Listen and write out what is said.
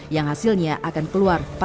yang hasilnya akan keluar pada pekalaan